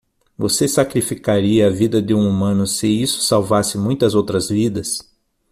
Você sacrificaria a vida de um humano se isso salvasse muitas outras vidas?